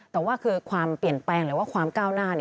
แต่ว่าคือความเปลี่ยนแปลงหรือว่าความก้าวหน้า